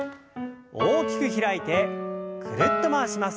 大きく開いてぐるっと回します。